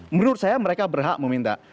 menurut saya mereka berhak meminta